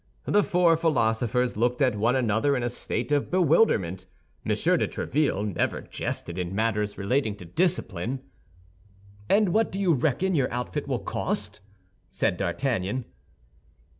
The four philosophers looked at one another in a state of bewilderment. M. de Tréville never jested in matters relating to discipline. "And what do you reckon your outfit will cost?" said D'Artagnan.